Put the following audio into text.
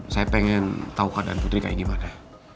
saya pengen tahu keadaan putri kayak gimana